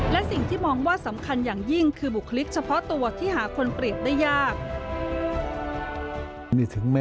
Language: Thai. และสิ่งที่มองว่าสำคัญอย่างยิ่ง